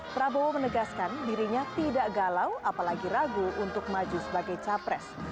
prabowo menegaskan dirinya tidak galau apalagi ragu untuk maju sebagai capres